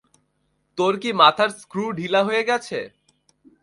তোর কি মাথার ক্রো ঢিলা হয়ে গেছে?